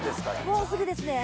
もうすぐですね。